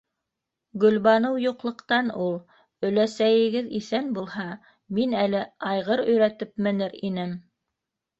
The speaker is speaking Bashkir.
Гөлбаныу юҡлыҡтан ул, өләсәйегеҙ иҫән булһа, мин әле айғыр өйрәтеп менер инем!